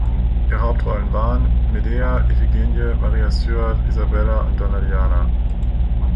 Ihre Hauptrollen waren: Medea, Iphigenie, Maria Stuart, Isabella und Donna Diana.